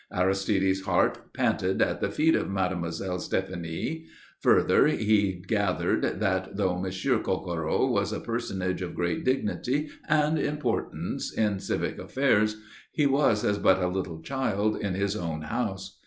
Aristide's heart panted at the feet of Mademoiselle Stéphanie. Further he gathered that, though Monsieur Coquereau was a personage of great dignity and importance in civic affairs, he was as but a little child in his own house.